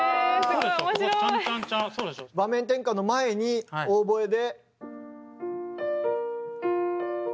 場面転換の前にオーボエで。